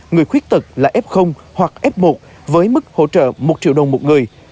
người khuyết tật là f hoặc f một với mức hỗ trợ một triệu đồng một người